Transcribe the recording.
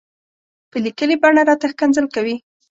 په ليکلې بڼه راته ښکنځل کوي.